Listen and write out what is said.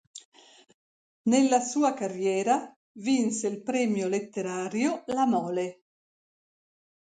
Nella sua carriera vinse il premio letterario "La Mole".